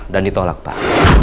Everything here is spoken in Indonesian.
dan ditolak pak